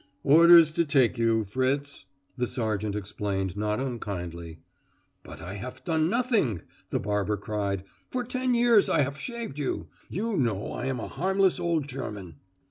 "Orders to take you, Fritz," the sergeant explained not unkindly. "But I haf done nothing," the barber cried. "For ten years I haf shaved you. You know I am a harmless old German."